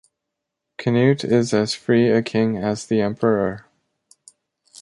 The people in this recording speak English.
Canute is as free a king as the emperor.